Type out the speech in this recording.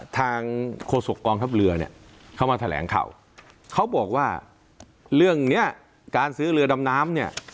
ทางโครสกรองทัพเรือเข้ามาแถลงข่าวเขาบอกว่าเรื่องนี้การซื้อเรือดำน้ำ